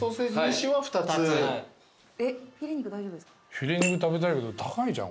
フィレ肉食べたいけど高いじゃん